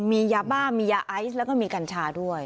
มียาบ้ามียาไอซ์แล้วก็มีกัญชาด้วย